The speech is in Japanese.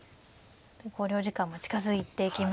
考慮時間も近づいてきましたね。